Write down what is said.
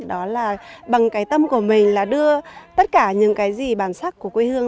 đó là bằng cái tâm của mình là đưa tất cả những cái gì bản sắc của quê hương